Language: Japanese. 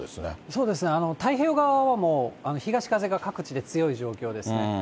そうですね、太平洋側はもう東風が各地で強い状況です。